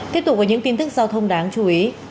tiếp tục với những tin tức giao thông đáng chú ý